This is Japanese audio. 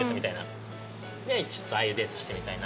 ちょっとああいうデートしてみたいなって。